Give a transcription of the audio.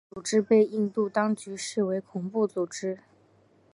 该组织被印度当局视为恐怖组织。